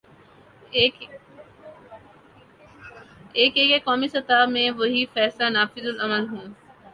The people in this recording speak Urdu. ایک یہ کہ قومی سطح میں وہی فیصلے نافذالعمل ہوں۔